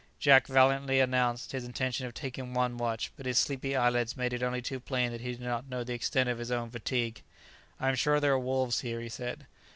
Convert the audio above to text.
Jack valiantly announced his intention of taking one watch, but his sleepy eyelids made it only too plain that he did not know the extent of his own fatigue. "I am sure there are wolves here," he said.